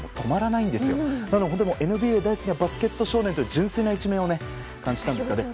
なので、本当にＮＢＡが大好きなバスケット少年という純粋な一面を感じたんですね。